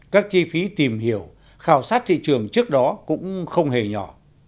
các chi phí tìm hiểu khảo sát thị trường trước đó cũng không hề nhỏ